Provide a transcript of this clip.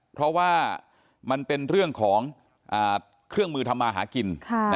เพราะว่ามันเป็นเรื่องของเครื่องมือทำมาหากิน